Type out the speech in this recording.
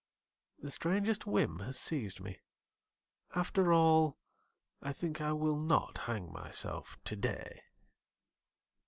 The strangest whim has seized me ... After all I think I will not hang myself today.